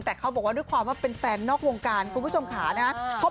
แต่เขาบอกว่าด้วยความว่าเป็นแฟนนอกวงการคุณผู้ชมขานะครับ